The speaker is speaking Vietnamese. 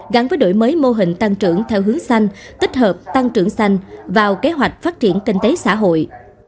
gắn với đổi mới mô hình tăng trưởng theo hướng xanh tích hợp tăng trưởng xanh vào kế hoạch phát triển kinh tế xã hội